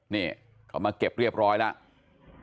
นี่เขามาเก็บเรียบร้อยแล้ว